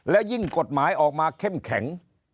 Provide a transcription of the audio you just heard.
และยิ่งกฎหมายออกมาเข้มแข็ง